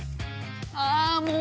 あもう！